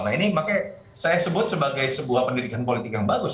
nah ini makanya saya sebut sebagai sebuah pendidikan politik yang bagus